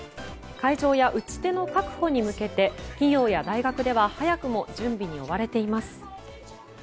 会場や打ち手の確保に向けて企業や大学では早くも準備に追われています。